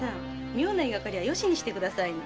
妙な言いがかりはよしにしてくださいな！